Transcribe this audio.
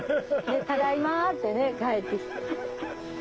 ただいまって帰ってきて。